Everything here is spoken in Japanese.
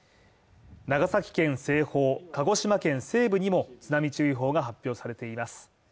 長崎県西方、鹿児島県西部にも津波注意報が発表されています。